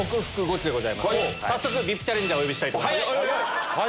早速ＶＩＰチャレンジャーお呼びしたいと思います。